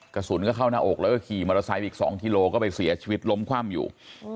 กระสุนก็เข้าหน้าอกแล้วก็ขี่มอเตอร์ไซค์อีก๒กิโลก็ไปเสียชีวิตล้มคว่ำอยู่